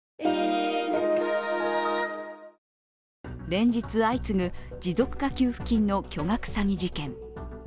連日相次ぐ持続化給付金の巨額詐欺事件。